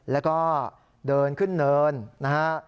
แล้วก็เดินขึ้นเนินนะฮะ